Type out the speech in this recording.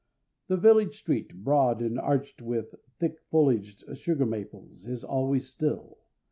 The village street, broad and arched with thick foliaged sugar maples, is always still.